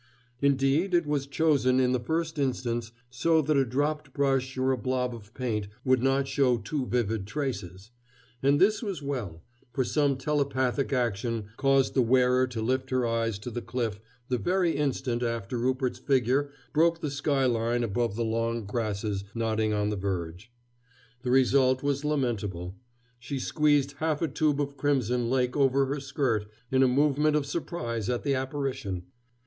Indeed, it was chosen, in the first instance, so that a dropped brush or a blob of paint would not show too vivid traces; and this was well, for some telepathic action caused the wearer to lift her eyes to the cliff the very instant after Rupert's figure broke the sky line above the long grasses nodding on the verge. The result was lamentable. She squeezed half a tube of crimson lake over her skirt in a movement of surprise at the apparition.